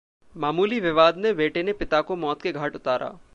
मामूली विवाद में बेटे ने पिता को मौत के घाट उतारा